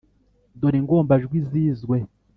dore ingombajwi zizwe.